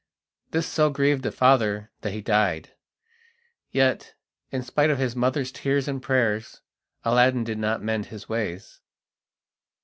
This so grieved the father that he died; yet, in spite of his mother's tears and prayers, Aladdin did not mend his ways.